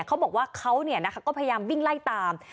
เขาบอกว่าเขาก็พยายามวิ่งไล่ตาม